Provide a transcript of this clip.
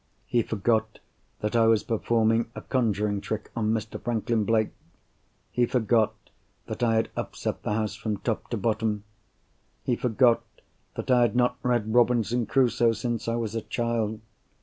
He forgot that I was performing a conjuring trick on Mr. Franklin Blake; he forgot that I had upset the house from top to bottom; he forgot that I had not read Robinson Crusoe since I was a child.